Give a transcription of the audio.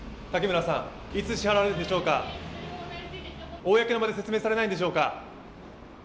公の場で説明されないんでしょうか。